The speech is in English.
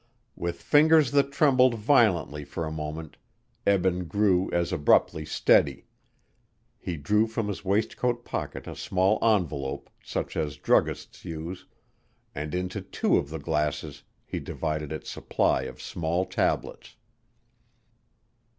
With fingers that trembled violently for a moment Eben grew as abruptly steady; he drew from his waistcoat pocket a small envelope such as druggists use, and into two of the glasses he divided its supply of small tablets.